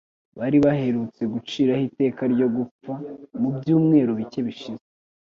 bari baherutse guciraho iteka ryo gupfa, mu byumweru bike bishize,